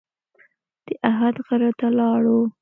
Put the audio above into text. د احد غره ته لاړو.